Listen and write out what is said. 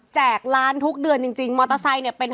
แจกล้านทุกเดือนจริงมอเตอร์ไซส์เนี่ยเป็น